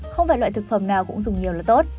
không phải loại thực phẩm nào cũng dùng nhiều là tốt